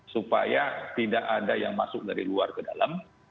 supaya tidak ada yang masuk dari luar ke dalam